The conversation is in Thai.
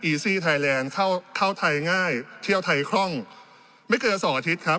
ซี่ไทยแลนด์เข้าเข้าไทยง่ายเที่ยวไทยคล่องไม่เกินสองอาทิตย์ครับ